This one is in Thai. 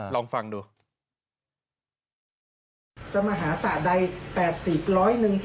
ลองฟังดู